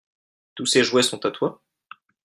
Tous ces jouets sont à toi ?